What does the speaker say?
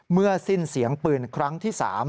เมื่อสิ้นเสียงปืนครั้งที่๓